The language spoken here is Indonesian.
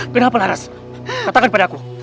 kenapa laras katakan pada aku